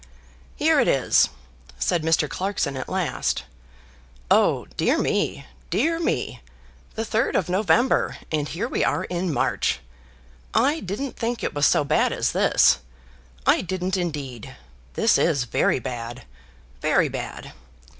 "Here it is," said Mr. Clarkson at last. "Oh, dear me, dear me! the third of November, and here we are in March! I didn't think it was so bad as this; I didn't indeed. This is very bad, very bad!